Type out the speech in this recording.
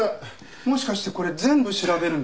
もしかしてこれ全部調べるんですか？